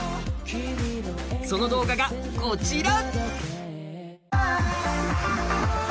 その動画がこちら。